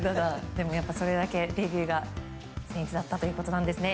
でもやっぱりそれだけデビューが僭越だったということですね。